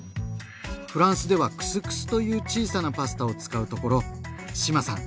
フランスではクスクスという小さなパスタを使うところ志麻さん